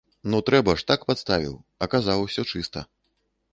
Ну трэба ж, так падставіў, а казаў усё чыста.